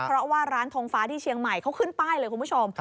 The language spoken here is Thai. เพราะว่าร้านทงฟ้าที่เชียงใหม่เขาขึ้นป้ายเลยคุณผู้ชม